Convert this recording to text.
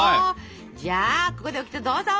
じゃあここでオキテどうぞ！